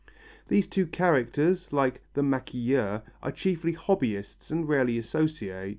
These two characters, like the maquilleur, are chiefly hobbyists and rarely associate.